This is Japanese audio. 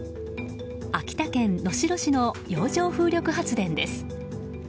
秋田県能代市の洋上風力発電です。